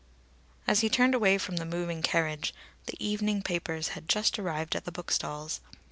As he turned away from the moving carriage, the evening papers had just arrived at the bookstalls.